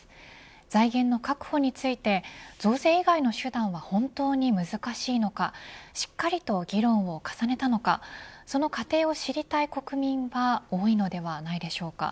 財源の確保について増税以外の手段は本当に難しいのかしっかりと議論を重ねたのかその過程を知りたい国民は多いのではないでしょうか。